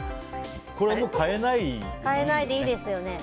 これは変えないでいいよね。